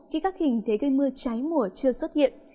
khi các hình thế gây mưa trái mùa chưa xuất hiện